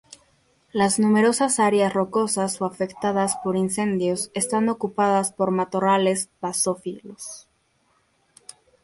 Las numerosas áreas rocosas o afectadas por incendios están ocupadas por matorrales basófilos.